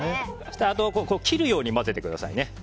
切るように混ぜてくださいね。